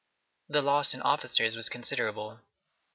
The loss in officers was considerable.